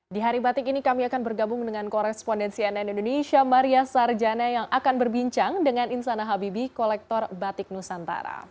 di hari batik ini kami akan bergabung dengan korespondensi nn indonesia maria sarjana yang akan berbincang dengan insana habibi kolektor batik nusantara